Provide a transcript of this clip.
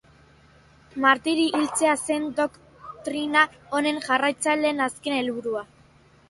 Martiri hiltzea zen doktrina honen jarraitzaileen azken helburua.